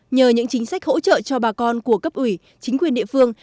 nhờ những chính sách hỗ trợ cho bà con của cấp ủy chính quyền địa phương